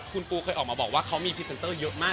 คุณปูเคยออกมาบอกว่าเขามีพรีเซนเตอร์เยอะมาก